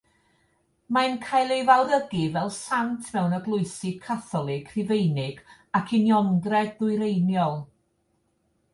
Mae'n cael ei fawrygu fel sant mewn eglwysi Catholig Rhufeinig ac Uniongred Ddwyreiniol.